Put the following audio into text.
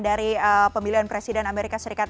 dari pemilihan presiden amerika serikat